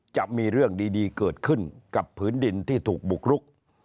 จะมีเรื่องดีเกิดขึ้นกับผืนดินที่ถูกบุกรุก